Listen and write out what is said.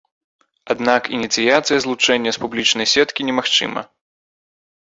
Аднак ініцыяцыя злучэння з публічнай сеткі немагчыма.